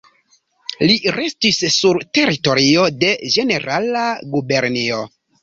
Li restis sur teritorio de Ĝenerala Gubernio.